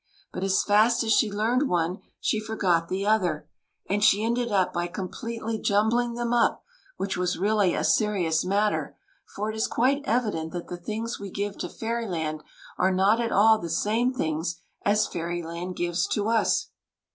But as fast as she learned one she forgot the other; and she ended by completely jum bling them up, which was really a serious mat ter, for it is quite evident that the things we give to Fairyland are not at all the same things as Fairyland gives to us.